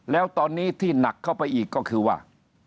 แล้วตอนนี้ที่หนักเข้าไปอีกก็คือว่า